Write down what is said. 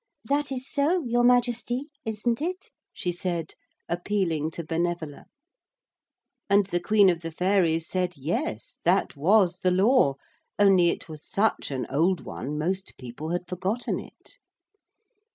That is so, Your Majesty, isn't it?' she said, appealing to Benevola. And the Queen of the Fairies said Yes, that was the law, only it was such an old one most people had forgotten it.